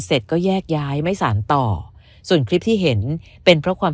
เสร็จก็แยกย้ายไม่สารต่อส่วนคลิปที่เห็นเป็นเพราะความ